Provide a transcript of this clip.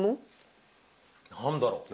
何だろう？